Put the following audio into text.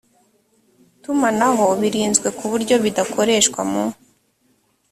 tumanaho birinzwe ku buryo bidakoreshwa mu